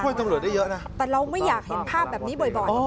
ตำรวจได้เยอะนะแต่เราไม่อยากเห็นภาพแบบนี้บ่อย